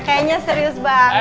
kayaknya serius banget